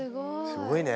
すごいね。